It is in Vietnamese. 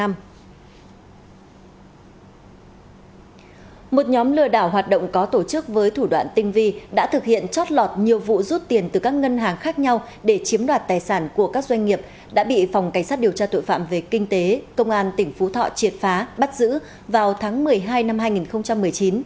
một nhóm lừa đảo hoạt động có tổ chức với thủ đoạn tinh vi đã thực hiện chót lọt nhiều vụ rút tiền từ các ngân hàng khác nhau để chiếm đoạt tài sản của các doanh nghiệp đã bị phòng cảnh sát điều tra tội phạm về kinh tế công an tỉnh phú thọ triệt phá bắt giữ vào tháng một mươi hai năm hai nghìn một mươi chín